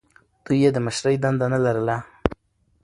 دوی یې د مشرۍ دنده نه لرله.